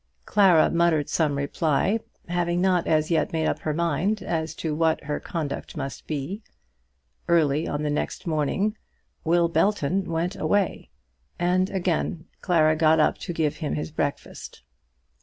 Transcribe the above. Clara muttered some reply, having not as yet made up her mind as to what her conduct must be. Early on the next morning Will Belton went away, and again Clara got up to give him his breakfast.